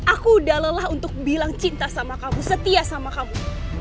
aku udah lelah untuk bilang cinta sama kamu setia sama kamu